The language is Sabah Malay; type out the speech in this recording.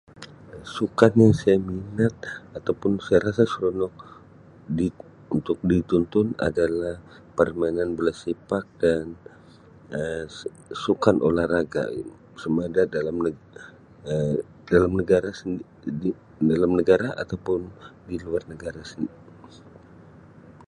Sukan yang saya minat atau pun sukan saya rasa seronok di- untuk ditonton adalah permainan bola sepak dan Um sukan olahraga sama ada dalam neg- Um dalam negara sendi-di-di dalam negara atau pun di luar negara sendi-